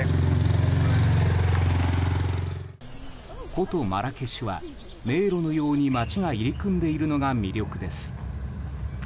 古都マラケシュは迷路のように街が入り組んでいるのが魅力です。